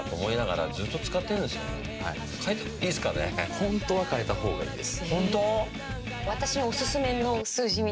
ホントは変えた方がいいです。